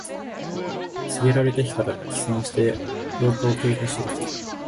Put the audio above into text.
告げられた日から起算して八日を経過したとき。